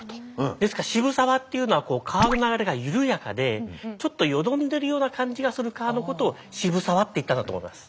ですから渋沢っていうのは川の流れが緩やかでちょっとよどんでるような感じがする川のことを渋沢って言ったんだと思います。